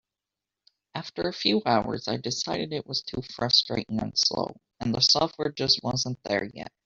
After a few hours I decided it was too frustrating and slow, and the software just wasn't there yet.